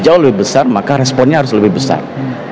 jauh lebih besar maka responnya harus lebih besar